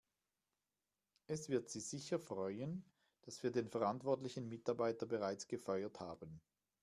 Es wird Sie sicher freuen, dass wir den verantwortlichen Mitarbeiter bereits gefeuert haben.